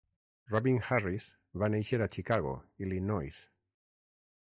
Robin Harris va néixer a Chicago, Illinois.